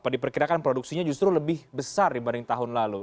diperkirakan produksinya justru lebih besar dibanding tahun lalu